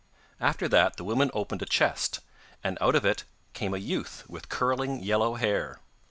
After that the woman opened a chest, and out of it came a youth with curling yellow hair.